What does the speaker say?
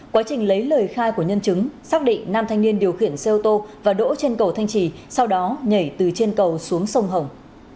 quá trình lấy lời khai của nhân chứng xác định nam thanh niên điều khiển xe ô tô và đỗ trên cầu thanh trì sau đó nhảy từ trên cầu xuống sông hồng